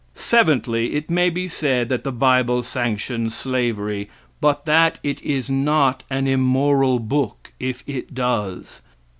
Seventhly, it may be said that the bible sanctions slavery, but that it is not an immoral book if it does.